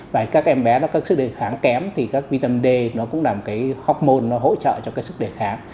và các em bé nó có sức đề kháng kém thì các vitamin d nó cũng là một cái hormone nó hỗ trợ cho cái sức đề kháng